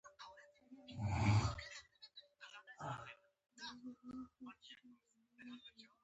خصوصي کول د روزګار او نوو دندو په رامینځته کیدو کې ګټور دي.